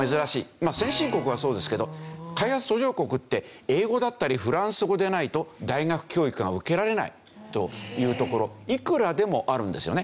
まあ先進国はそうですけど開発途上国って英語だったりフランス語でないと大学教育が受けられないというところいくらでもあるんですよね。